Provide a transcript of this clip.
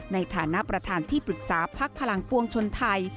ในฐานะประธานที่ปรึกษาพักพลังปวงชนไทย